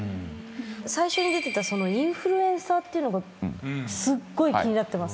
最初に出てたインフルエンサーっていうのがすっごい気になってます。